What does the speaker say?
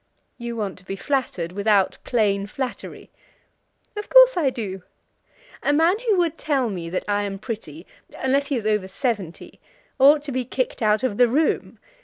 "You want to be flattered without plain flattery." "Of course I do. A man who would tell me that I am pretty, unless he is over seventy, ought to be kicked out of the room.